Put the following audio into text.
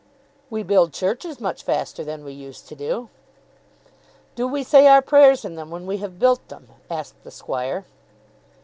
"We build churches much faster than we used to do." "Do we say our prayers in them when we have built them?" asked the Squire.